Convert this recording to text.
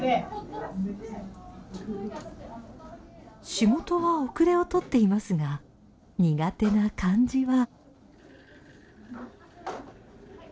仕事は後れをとっていますが苦手な漢字は。